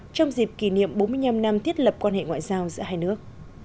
trong dịp kỷ niệm bốn mươi năm năm thiết lập quan hệ ngoại giao giữa hai nước